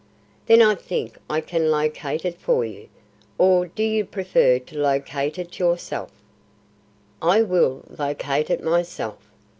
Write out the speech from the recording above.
"Then I think I can locate it for you, or do you prefer to locate it yourself?" "I will locate it myself.